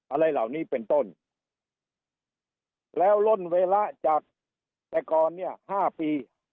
อะไรเหล่านี้เป็นต้นแล้วล่นเวลาจากแต่ก่อนเนี่ยห้าปี